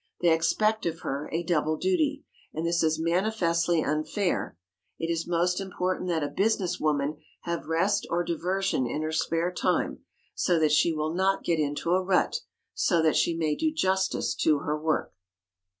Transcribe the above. They expect of her a double duty, and this is manifestly unfair. It is most important that a business woman have rest or diversion in her spare time, so that she will not get into a rut, so that she may do justice to her work.